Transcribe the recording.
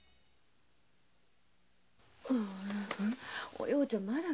お葉ちゃんまだかい。